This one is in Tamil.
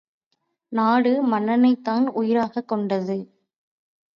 நாடு மன்னனைத் தான் உயிராகக் கொண்டது.